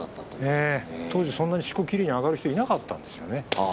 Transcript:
当時はそんなにきれいにしこが上がる人いなかったんですよね。